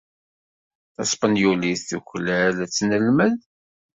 Taspenyulit tuklal ad tt-nelmed.